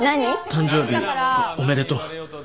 誕生日おめでとう。